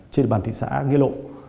trên bàn thị xã nghĩa lộ